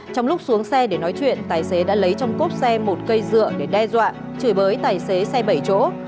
trong lúc xuống xe để nói chuyện tài xế đã lấy trong cốp xe một cây dựa để đe dọa chửi bới tài xế xe bảy chỗ